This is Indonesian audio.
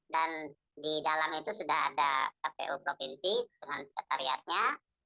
dan di dalam itu sudah ada kpu provinsi dengan sekretariatnya